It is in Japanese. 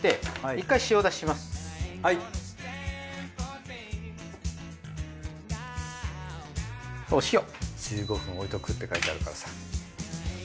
１５分置いておくって書いてあるからさ。